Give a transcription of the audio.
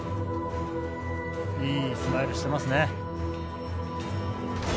いいスマイルしてますね。